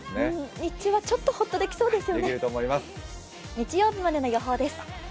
日中はちょっとほっとできそうですね。